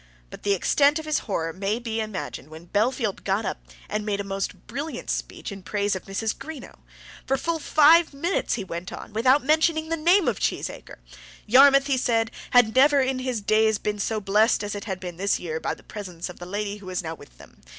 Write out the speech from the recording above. But the extent of his horror may be imagined when Bellfield got up and made a most brilliant speech in praise of Mrs. Greenow. For full five minutes he went on without mentioning the name of Cheesacre. Yarmouth, he said, had never in his days been so blessed as it had been this year by the presence of the lady who was now with them.